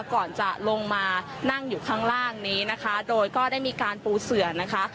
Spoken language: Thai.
ก่อนจะลงมานั่งอยู่ข้างล่างนี้นะคะโดยก็ได้มีการปูเสือนะคะ